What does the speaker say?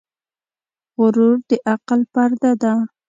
غرور د عقل پرده ده .